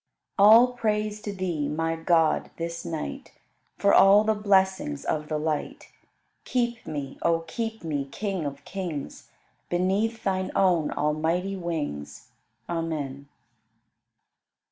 33. All praise to Thee, my God, this night For all the blessings of the light: Keep me, O keep me, King of kings, Beneath Thine own almighty wings. Amen.